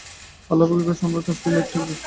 আল্লাহপাকের কাছে আমার জন্য খাস দিলে একটু দোয়া করবেন।